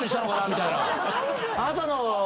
あなたの。